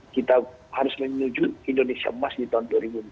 kita harus menuju indonesia emas di tahun dua ribu dua puluh